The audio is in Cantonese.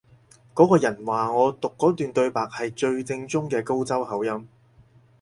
嗰個人話我讀嗰段對白係最正宗嘅高州口音